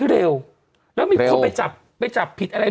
เร็วแล้วมีคนไปจับไปจับผิดอะไร